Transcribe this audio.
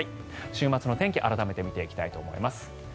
週末の天気改めて見ていきたいと思います。